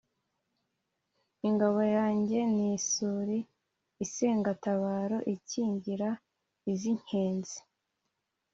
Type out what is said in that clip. Ingabo yanjye ni isuli, isengatabaro ikingira iz'inkenzi,